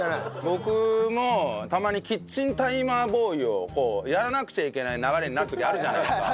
僕もたまにキッチンタイマーボーイをやらなくちゃいけない流れになる時あるじゃないですか。